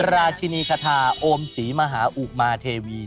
ราชินีคาทาโอมศรีมหาอุมาเทวี